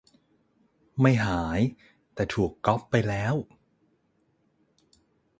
ไม่หาย แต่ถูกก๊อปไปแล้ว?